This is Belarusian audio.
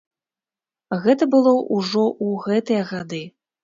Гэта было ўжо ў гэтыя гады.